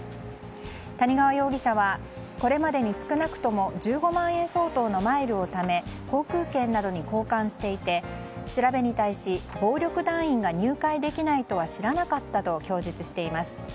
谷川容疑者はこれまでに少なくとも１５万円相当のマイルをため航空券などに交換していて調べに対し暴力団員が入会できないとは知らなかったと供述しています。